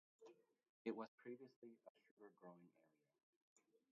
It was previously a sugar growing area.